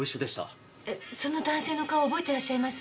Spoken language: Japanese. えっその男性の顔覚えてらっしゃいます？